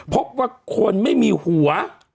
พบว่าคนไม่มีหัว